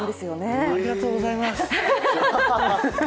あっら、ありがとうございます。